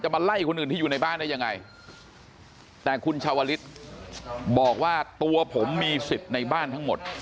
มาไล่คนอื่นที่อยู่ในบ้านได้ยังไงแต่คุณชาวลิศบอกว่าตัวผมมีสิทธิ์ในบ้านทั้งหมด